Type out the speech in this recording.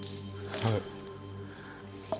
はい。